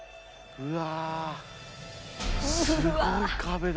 うわ。